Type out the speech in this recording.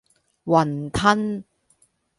雲吞